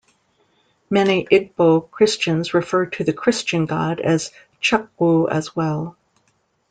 Many Igbo Christians refer to the Christian God as Chukwu as well.